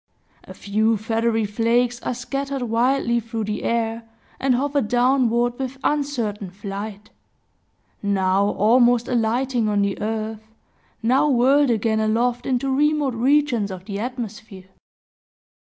A few feathery flakes are scattered widely through the air, and hover downward with uncertain flight, now almost alighting on the earth, now whirled again aloft into remote regions of the atmosphere.